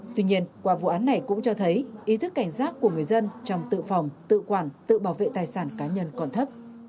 tuy nhiên qua vụ án này cũng cho thấy ý thức cảnh giác của người dân trong tự phòng tự quản tự bảo vệ tài sản cá nhân còn thấp